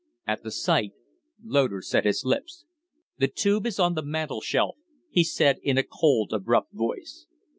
At the sight, Loder set his lips. "The tube is on the mantel shelf," he said, in a cold, abrupt voice.